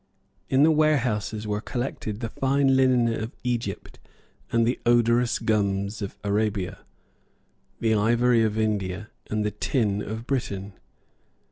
In the warehouses were collected the fine linen of Egypt and the odorous gums of Arabia; the ivory of India, and the tin of Britain.